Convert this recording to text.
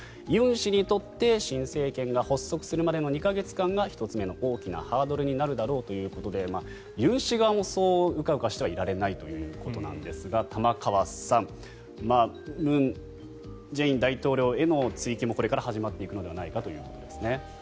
ユン氏にとって新政権が発足するまでの２か月間が１つ目の大きなハードルになるだろうということでユン氏側もそううかうかしてはいられないということですが玉川さん文在寅大統領への追及もこれから始まっていくのではないかと。